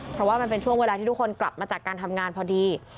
เพราะว่ามันเป็นช่วงเวลาที่ทุกคนกลับมาจากการทำงานพอดี